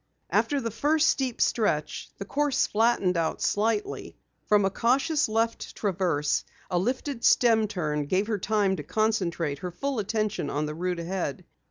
After the first steep stretch, the course flattened out slightly. From a cautious left traverse, a lifted stem turn gave her time to concentrate her full attention on the route ahead.